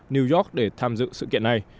new york để tham dự sự kiện này